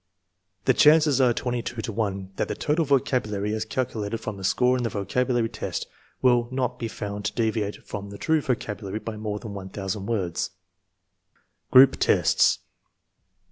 The chances are 22 to 1 that the total vocab ulary as calculated from the score in the vocabulary test will not be found to deviate from the true vocab ulary by more than 1000 words. Group tests.